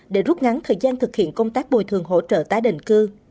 để rút ngắn thời gian thực hiện công tác bồi thường hỗ trợ tái định cư